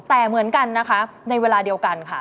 แต่เหมือนกันในเวลาเดียวกัน